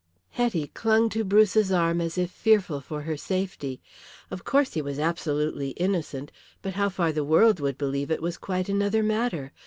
Hetty clung to Bruce's arm as if fearful for her safety. Of course, he was absolutely innocent, but how far the world would believe it was quite another matter.